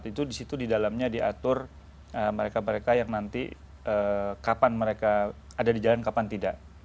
itu di situ di dalamnya diatur mereka mereka yang nanti kapan mereka ada di jalan kapan tidak